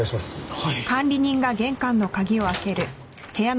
はい。